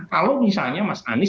kalau misalnya mas anies